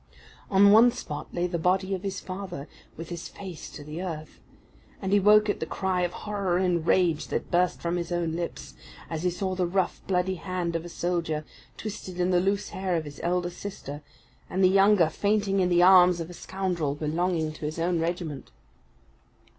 On one spot lay the body of his father, with his face to the earth; and he woke at the cry of horror and rage that burst from his own lips, as he saw the rough, bloody hand of a soldier twisted in the loose hair of his elder sister, and the younger fainting in the arms of a scoundrel belonging to his own regiment.